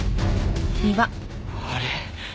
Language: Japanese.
あれ？